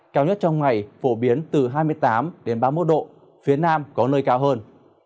cao nhất trong ngày phổ biến từ hai mươi tám đến ba mươi một độ phía nam có nơi cao hơn